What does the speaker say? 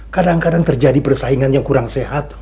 kadang kadang terjadi persaingan yang kurang sehat